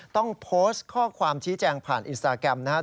ต้องโพสต์ข้อความชี้แจงผ่านอินสตาแกรมนะครับ